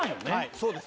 そうです。